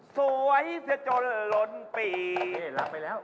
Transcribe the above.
สวยเสียจนล้นปี